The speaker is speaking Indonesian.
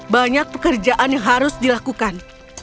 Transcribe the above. banyak pekerjaan yang harus dilakukan